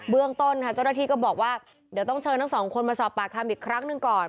เรื่องต้นค่ะเจ้าหน้าที่ก็บอกว่าเดี๋ยวต้องเชิญทั้งสองคนมาสอบปากคำอีกครั้งหนึ่งก่อน